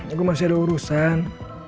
aku masih ada urusan